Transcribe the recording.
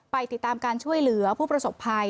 ไปติดตามการช่วยเหลือผู้ประสบภัย